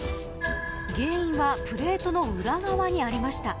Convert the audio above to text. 原因はプレートの裏側にありました。